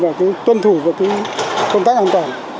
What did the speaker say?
và tuân thủ vào công tác an toàn